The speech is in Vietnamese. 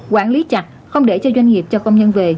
quản lý chặt không để cho doanh nghiệp cho công nhân về